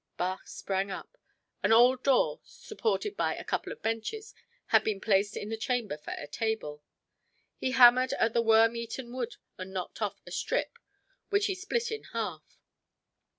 Bach sprang up. An old door, supported by a couple of benches, had been placed in the chamber for a table. He hammered at the worm eaten wood and knocked off a strip which he split in half.